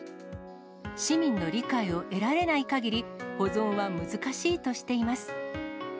市民の理解を得られないかぎり、保存は難しいとしています。